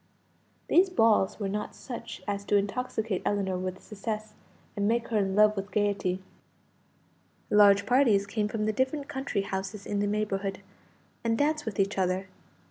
These balls were not such as to intoxicate Ellinor with success, and make her in love with gaiety. Large parties came from the different country houses in the neighbourhood, and danced with each other.